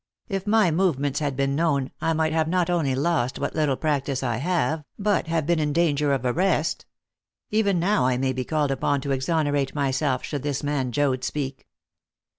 If my movements had been known, I might have not only lost what little practice I have, but have been in danger of arrest. Even now I may be called upon to exonerate myself should this man Joad speak."